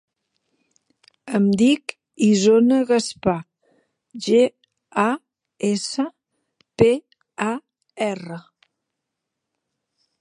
Em dic Isona Gaspar: ge, a, essa, pe, a, erra.